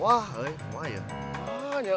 wah eh emang aja